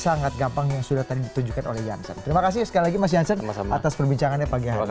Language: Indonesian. sangat gampang yang sudah tadi ditunjukkan oleh jansen terima kasih sekali lagi mas jansen atas perbincangannya pagi hari ini